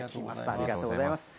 ありがとうございます。